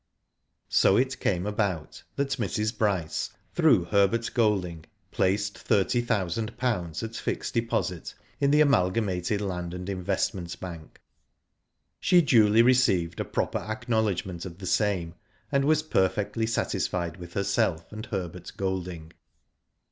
'* So it came about that Mrs. Bryce, through Herbert Golding, placed thirty thousand pounds at fixed deposit in the Amalgamated Land and Investment Bank. She duly received a proper acknowledgment of the same, and was perfectly satisfied with herself and Herbert Golding.